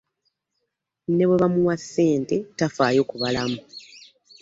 Ne bwe bamuwa ssente tafaayo kubalamu.